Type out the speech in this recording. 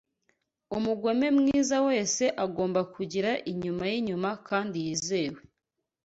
Umugome mwiza wese agomba kugira inyuma yinyuma kandi yizewe